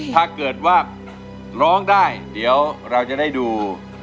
ถ้าเกิดว่าร้องได้เดี๋ยวเราจะได้ดู